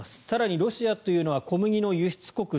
更にロシアというのは小麦の輸出国